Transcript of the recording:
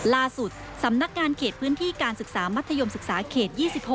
สำนักงานเขตพื้นที่การศึกษามัธยมศึกษาเขต๒๖